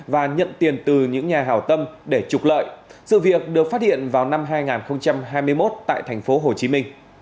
và nhận tiền từ những nhà hào tâm để trục lợi sự việc được phát hiện vào năm hai nghìn hai mươi một tại tp hcm